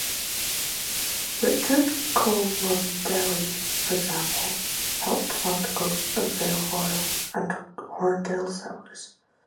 Richard Cholmondeley, for example, helped fund the growth of Vale Royal and Horndale cellars.